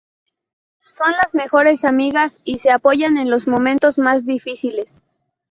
Son las mejores amigas y se apoyan en los momentos más difíciles.